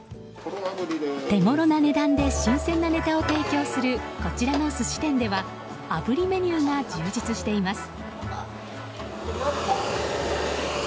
手ごろな値段で新鮮なネタを提供するこちらの寿司店ではあぶりメニューが充実しています。